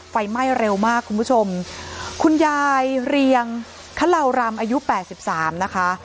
ไฟไหม้เร็วมากคุณผู้ชมคุณยายเรียงคลาวรำอายุแปดสิบสามนะคะ